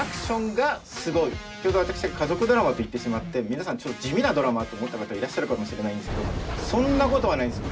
先ほど私が家族ドラマと言ってしまって皆さんちょっと地味なドラマと思った方いらっしゃるかもしれないんですけどそんなことはないんです！